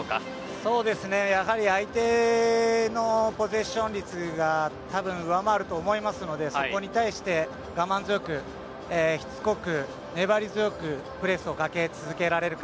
そうですねやはり相手のポゼッション率がたぶん上回ると思いますのでそこに対して我慢強く、しつこく、粘り強くプレスをかけ続けられるか。